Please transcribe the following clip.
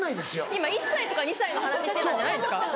今１歳とか２歳の話してたんじゃないんですか？